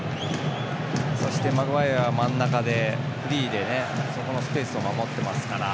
そして、マグワイアは真ん中でフリーでそこのスペースを守ってますから。